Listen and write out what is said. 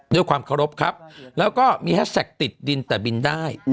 ด้วยความเคารพครับแล้วก็มีแฮชแท็กติดดินแต่บินได้